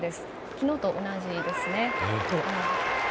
昨日と同じですね。